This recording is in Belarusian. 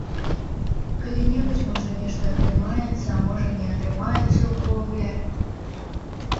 Калі-небудзь, можа, нешта атрымаецца, а можа, не атрымаецца ўвогуле.